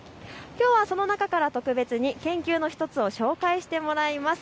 きょうはその中から研究の１つを紹介してもらいます。